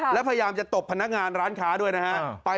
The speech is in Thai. แล้วพยายามจะตบพนักงานร้านค้าด้วยนะฮะ